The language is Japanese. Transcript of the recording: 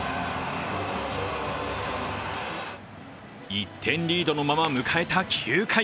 １点リードのまま迎えた９回。